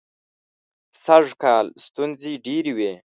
سږکال ستونزې ډېرې وې.